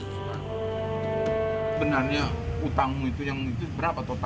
sebenarnya utangmu itu berapa totalnya